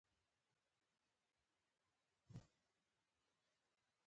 نحوه د عربي ژبي کلیمه ده.